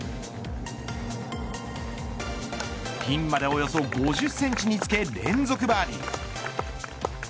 ピンまでおよそ５０センチにつけ連続バーディー。